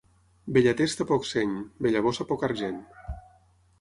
Bella testa, poc seny; bella bossa, poc argent.